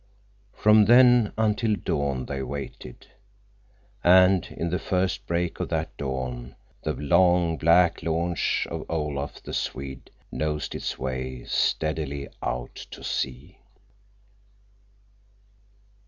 From then until dawn they waited. And in the first break of that dawn the long, black launch of Olaf, the Swede, nosed its way steadily out to sea.